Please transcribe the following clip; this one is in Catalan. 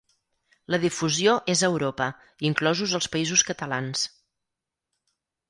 La difusió és a Europa, inclosos els Països Catalans.